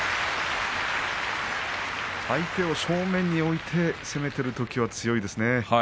相手を正面に置いて攻めているときは強いですね。